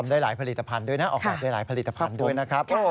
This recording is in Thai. ได้หลายผลิตภัณฑ์ด้วยนะออกแบบได้หลายผลิตภัณฑ์ด้วยนะครับ